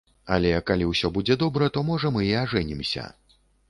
Але калі ўсё будзе добра, то, можа, мы і ажэнімся.